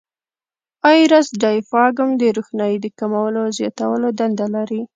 آیرس ډایفراګم د روښنایي د کمولو او زیاتولو دنده لري.